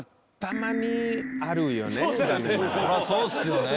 まあそうっすよね。